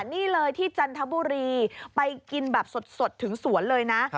นี่เลยที่จันทบุรีไปกินแบบสดถึงสวนเลยนะ